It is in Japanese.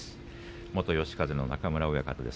元嘉風の中村親方です。